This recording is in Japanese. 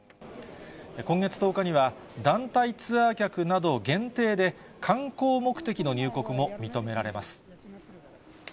今月１０日には、団体ツアー客など限定で観光目的の入国も認められます。